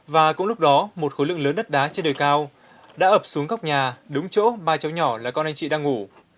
và cũng lúc đó một khối lượng lớn đất đá trên đề cao đã ập xuống góc nhà đúng chỗ ba cháu nhỏ là con anh chị đang ngủ